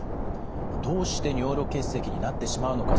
どうして尿路結石になってしまうのか